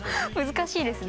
難しいですね。